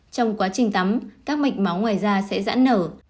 trong quá trình tấm các mệnh máu ngoài da sẽ dãn nở